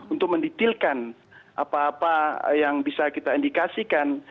untuk mendetailkan apa apa yang bisa kita indikasikan